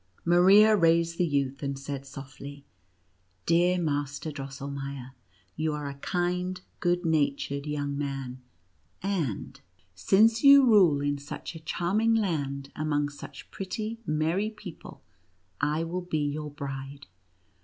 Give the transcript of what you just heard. Maria raised the youth, and said softly: "Dear Master Drosselmeier, you are a kind, good natured young man; and, since you rule 138 NUTCRACKER AND MOUSE KING. in such a charming land, among such pretty, merry people, I will be your bride."